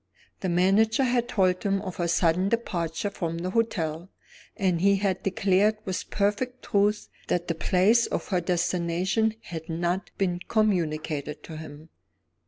The manager had told him of her sudden departure from the hotel, and had declared with perfect truth that the place of her destination had not been communicated to him.